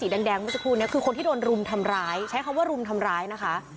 แดงเมื่อสักครู่นี้คือคนที่โดนรุมทำร้ายใช้คำว่ารุมทำร้ายนะคะ